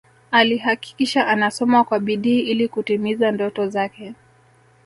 Alihakikisha anasoma kwa bidii ili kutimiza ndoto zake